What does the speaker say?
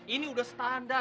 ini udah standar